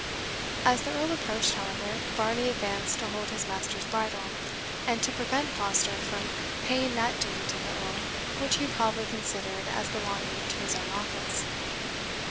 As the Earl approached, however, Varney advanced to hold his master's bridle, and to prevent Foster from paying that duty to the Earl which he probably considered as belonging to his own office.